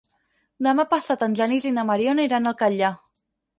Demà passat en Genís i na Mariona iran al Catllar.